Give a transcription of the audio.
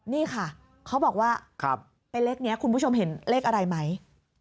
นี่ค่ะเขาบอกว่าเป็นเลขนี้คุณผู้ชมเห็นเลขอะไรไหม